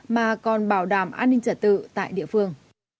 mà còn bảo đảm an ninh trật tự tại địa phương